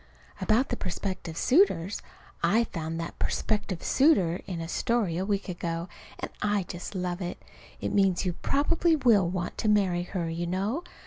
About the prospective suitors I found that "prospective suitor" in a story a week ago, and I just love it. It means you probably will want to marry her, you know.